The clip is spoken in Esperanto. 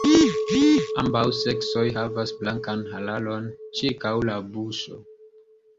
Ambaŭ seksoj havas blankan hararon ĉirkaŭ la buŝo.